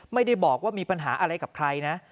ไม่ได้บอกว่ามีปัญหาอะไรกับใครนะ